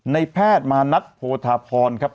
ในแพทย์มานัทโพธาพรครับ